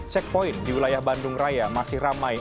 checkpoint di wilayah bandung raya masih ramai